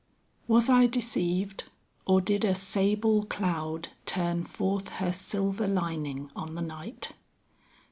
"Was I deceived, or did a sable cloud Turn forth her silver lining on the night?"